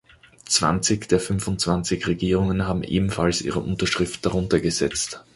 Zwanzig der fünfundzwanzig Regierungen haben ebenfalls ihre Unterschrift darunter gesetzt.